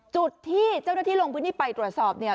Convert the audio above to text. จุดที่เจ้าหน้าที่ลงพื้นที่ไปตรวจสอบเนี่ย